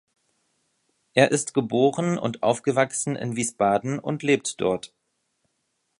Er ist geboren und aufgewachsen in Wiesbaden und lebt dort.